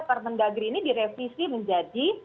permendagri ini direvisi menjadi